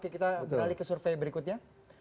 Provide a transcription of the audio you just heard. kita beralih ke survei berikutnya